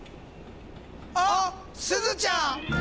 あっすずちゃん！